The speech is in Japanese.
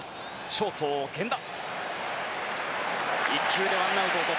ショート、源田。